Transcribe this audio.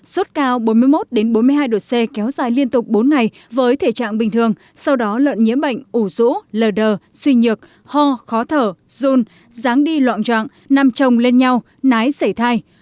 sốt cao bốn mươi một bốn mươi hai độ c kéo dài liên tục bốn ngày với thể trạng bình thường sau đó lợn nhiễm bệnh ủ rũ lờ đờ suy nhược ho khó thở run ráng đi loạn trạng nằm trồng lên nhau nái xảy thai